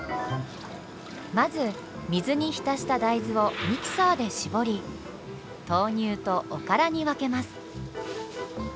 まず水に浸した大豆をミキサーで絞り豆乳とおからに分けます。